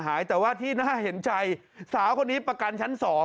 น่าเห็นใจสาวคนนี้ประกันชั้น๒